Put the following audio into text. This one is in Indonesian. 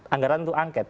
anggaran itu angket